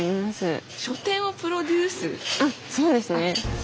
そうですね。